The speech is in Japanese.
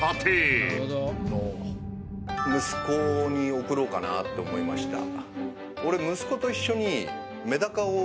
息子に送ろうかなって思いました。